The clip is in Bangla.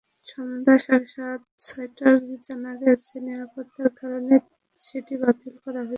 সন্ধ্যা সাড়ে ছয়টায় জানা গেছে, নিরাপত্তার কারণে সেটি বাতিল করা হয়েছে।